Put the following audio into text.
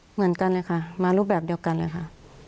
เหมือนกันเลยค่ะมารูปแบบเดียวกันเลยค่ะ